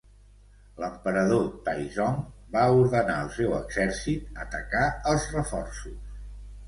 L'emperador Taizong va ordenar al seu exèrcit atacar els reforços.